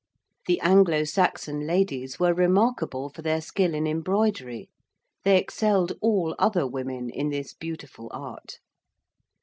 The Anglo Saxon ladies were remarkable for their skill in embroidery; they excelled all other women in this beautiful art.